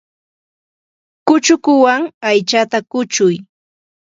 Yachana wasichaw nawintsayta yachapakuykaa.